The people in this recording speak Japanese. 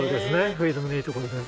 フィルムのいいところです。